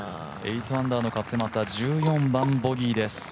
８アンダーの勝俣１４番ボギーです。